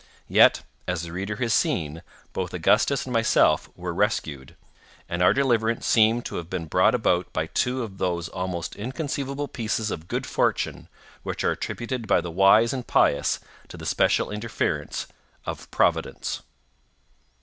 Yet, as the reader has seen, both Augustus and myself were rescued; and our deliverance seemed to have been brought about by two of those almost inconceivable pieces of good fortune which are attributed by the wise and pious to the special interference of Providence.